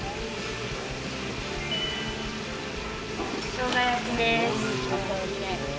しょうが焼きです。